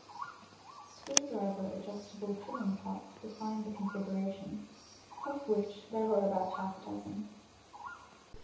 Screwdriver-adjustable trimming pots defined the configurations, of which there were about half a dozen.